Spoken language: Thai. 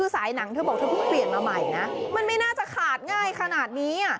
สายหนังเธอบอกเธอเพิ่งเปลี่ยนมาใหม่นะมันไม่น่าจะขาดง่ายขนาดนี้